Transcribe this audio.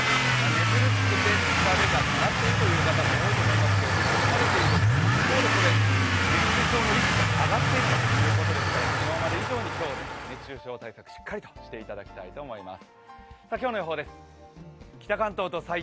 寝苦しくて疲れがたまっているという方も多いと思いますけれども、疲れている、イコール、熱中症のリスクが上がっているということですから昨日まで以上に今日は熱中症対策をしっかりしていただきたいと思います。